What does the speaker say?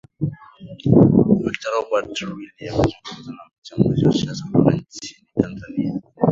victor robert willi amezungumza na mchambuzi wa siasa kutoka nchini tanzania